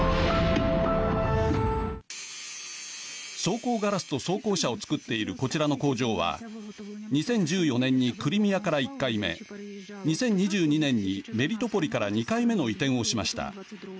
装甲ガラスと装甲車を造っているこちらの工場は２０１４年にクリミアから１回目２０２２年にメリトポリから２回目の移転をしました。